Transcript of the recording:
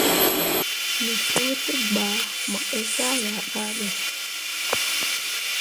Me fuu degba mo eezah yah babe.